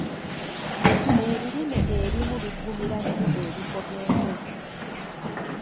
Ebirime ebimu bigumira nnyo ebifo by'ensozi.